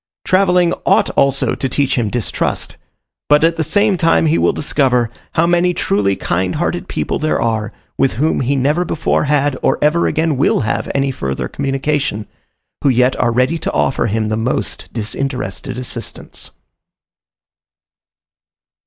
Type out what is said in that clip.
Travelling ought also to teach him distrust; but at the same time he will discover, how many truly kind hearted people there are, with whom he never before had, or ever again will have any further communication, who yet are ready to offer him the most disinterested assistance.